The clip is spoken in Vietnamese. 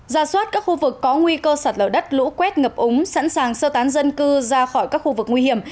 ra soát các khu vực có nguy cơ sạt lở đất lũ quét ngập úng sẵn sàng sơ tán dân cư ra khỏi các khu vực nguy hiểm